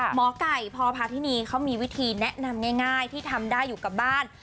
หมอไก่พพาธินีเขามีวิธีแนะนำง่ายที่ทำได้อยู่กับบ้าน